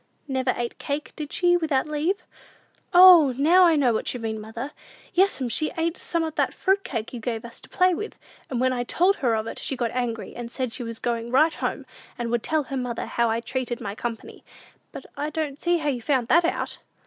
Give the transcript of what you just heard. "Never ate cake, did she, without leave?" "O, now I know what you mean, mother! Yes'm, she ate some of that fruit cake you gave us to play with; and when I told her of it, she got angry, and said she was going right home, and would tell her mother how I treated my company; but I don't see how you found that out!"